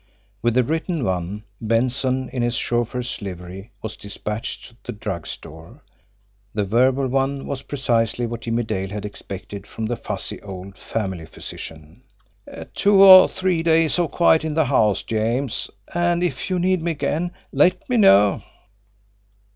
With the written one, Benson, in his chauffeur's livery, was dispatched to the drug store; the verbal one was precisely what Jimmie Dale had expected from the fussy old family physician: "Two or three days of quiet in the house James; and if you need me again, let me know."